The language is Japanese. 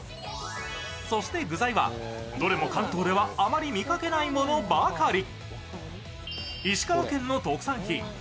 そして、具材はどれも関東ではあまり見かけないものばかり。